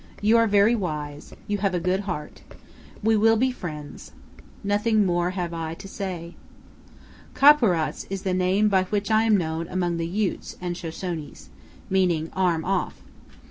You are very wise; you have a good heart. We will be friends. Nothing more have I to say." Ka'purats is the name by which I am known among the Utes and Shoshones, meaning "arm off."